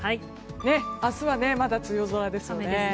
明日はまだ梅雨空ですね。